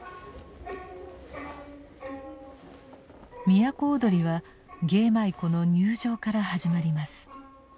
都をどりは芸舞妓の入場から始まります。